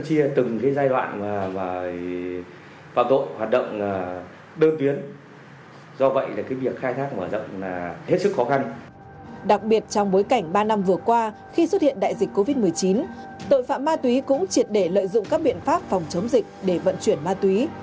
đặc biệt trong bối cảnh ba năm vừa qua khi xuất hiện đại dịch covid một mươi chín tội phạm ma túy cũng triệt để lợi dụng các biện pháp phòng chống dịch để vận chuyển ma túy